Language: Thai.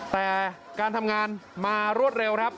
แต่การทำงานมารวดเร็วครับ